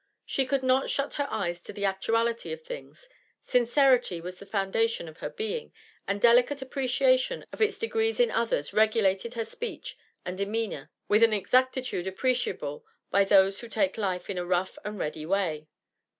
She could not shut her eyes to the actuality of things; sincerity was the foundation of her being, and delicate appreciation of its degrees in others regulated her speech and demeanour with an exactitude inappreciable by those who take life in a rough and ready way.